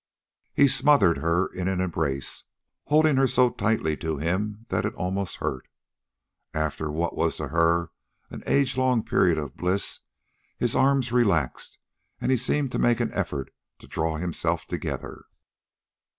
He smothered her in an embrace, holding her so tightly to him that it almost hurt. After what was to her an age long period of bliss, his arms relaxed and he seemed to make an effort to draw himself together.